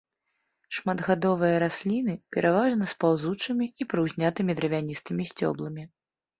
Шматгадовыя расліны пераважна з паўзучымі і прыўзнятымі дравяністымі сцёбламі.